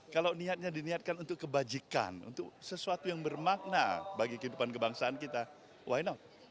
kalau niatnya diniatkan untuk kebajikan untuk sesuatu yang bermakna bagi kehidupan kebangsaan kita why not